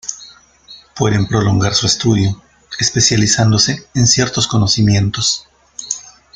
Pueden prolongar su estudio, especializándose en ciertos conocimientos.